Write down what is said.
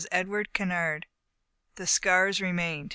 EDWARD KENNARD. "THE SCARS REMAINED.